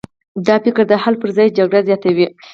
دا فکر د حل پر ځای جګړه زیاتوي.